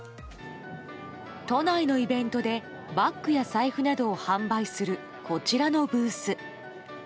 都内のイベントでバッグや財布などを販売するこちらのブース。